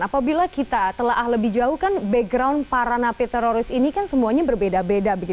apabila kita telah lebih jauh kan background para napi teroris ini kan semuanya berbeda beda